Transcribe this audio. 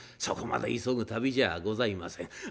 そこまで急ぐ旅じゃあございません。